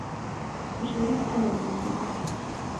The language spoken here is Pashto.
په شريف سر وګرځېده.